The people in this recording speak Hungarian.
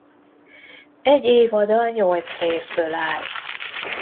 Egy évada nyolc részből áll.